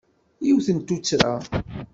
Yiwet n tuttra.